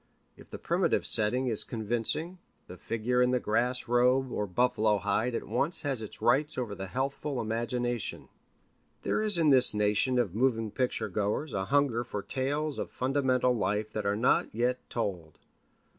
If the primitive setting is convincing, the figure in the grass robe or buffalo hide at once has its rights over the healthful imagination. There is in this nation of moving picture goers a hunger for tales of fundamental life that are not yet told.